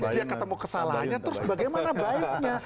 dia ketemu kesalahannya terus bagaimana baiknya